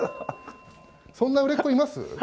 そんな売れっ子います？